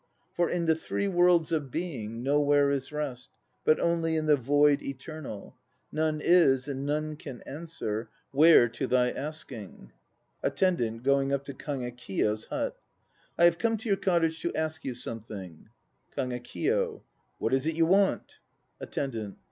For in the Three Worlds of Being Nowhere is rest, 1 but only In the Void Eternal. None is, and none can answer Where to thy asking. ATTENDANT (going up to KAGEKIYO'S hut). I have come to your cottage to ask you something. KAGEKIYO. What is it you want? ATTENDANT.